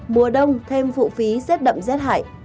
mùa đông thêm phụ phí rét đậm rét hại